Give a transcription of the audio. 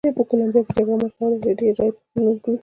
په کولمبیا کې جګړه مار کولای شي ډېرې رایې په خپل نوم کړي.